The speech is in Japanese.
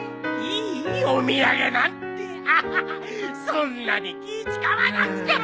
そんなに気使わなくても。